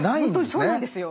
本当にそうなんですよ。